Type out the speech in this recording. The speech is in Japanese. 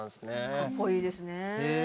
かっこいいですね。